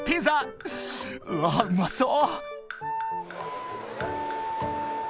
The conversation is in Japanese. ［うわうまそう］